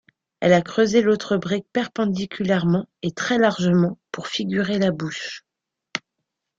Elle a creusé l'autre brique perpendiculairement et très largement pour figurer la bouche.